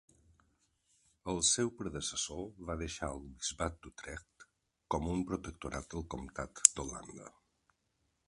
El seu predecessor va deixar el bisbat d'Utrecht com un protectorat al comtat d'Holanda.